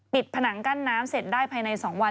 ผนังกั้นน้ำเสร็จได้ภายใน๒วัน